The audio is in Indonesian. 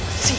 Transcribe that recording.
ya aku sama